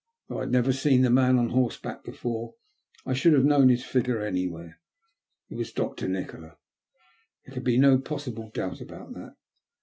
Though I had never seen the man on horseback before, I should have known his figure anywhere. It wa$ Dr. Nikola. There could be no possible doubt about that.